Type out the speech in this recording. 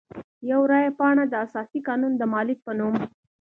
یوه رای پاڼه د اساسي قانون د مالک په نوم.